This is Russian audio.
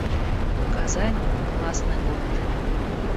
Казань — классный город